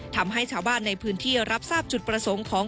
ทำให้ชาวบ้านในพื้นที่รับทราบจุดประสงค์ของ